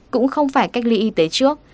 cũng không phải cách ly y tế trước